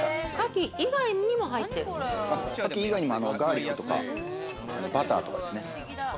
牡蠣以外にもガーリックとかバターとか。